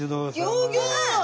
ギョギョ！